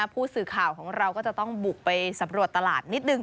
ผู้สื่อข่าวของเราก็จะต้องบุกไปสำรวจตลาดนิดนึง